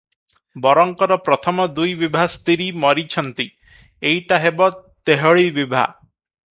ବରଙ୍କର ପ୍ରଥମ ଦୁଇ ବିଭା ସ୍ତିରୀ ମରିଛନ୍ତି, ଏଇଟା ହେବ ତେହଳି ବିଭା ।